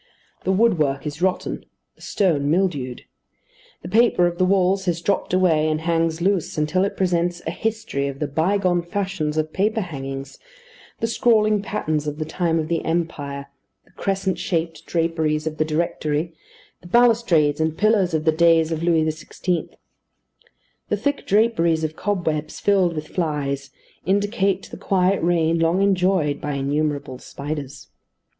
The woodwork is rotten; the stone mildewed. The paper of the walls has dropped away and hangs loose, until it presents a history of the bygone fashions of paper hangings the scrawling patterns of the time of the Empire, the crescent shaped draperies of the Directory, the balustrades and pillars of the days of Louis XVI. The thick draperies of cobwebs, filled with flies, indicate the quiet reign long enjoyed by innumerable spiders.